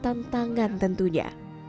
tanpa tangan tentunya